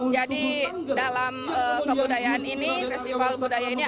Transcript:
jadi dalam kebudayaan ini festival budaya ini